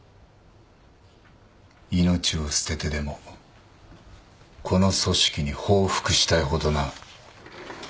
命を捨ててでもこの組織に報復したいほどな。